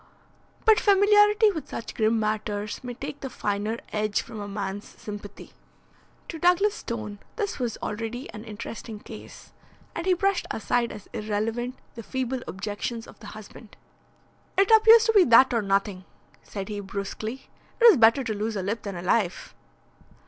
But familiarity with such grim matters may take the finer edge from a man's sympathy. To Douglas Stone this was already an interesting case, and he brushed aside as irrelevant the feeble objections of the husband. "It appears to be that or nothing," said he brusquely. "It is better to lose a lip than a life."